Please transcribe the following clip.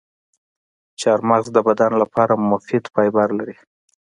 چارمغز د بدن لپاره مفید فایبر لري.